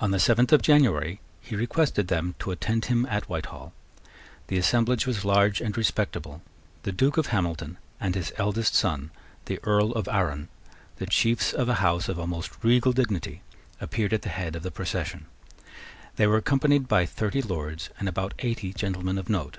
On the seventh of January he requested them to attend him at Whitehall. The assemblage was large and respectable. The Duke of Hamilton and his eldest son, the Earl of Arran, the chiefs of a house of almost regal dignity, appeared at the head of the procession. They were accompanied by thirty Lords and about eighty gentlemen of note.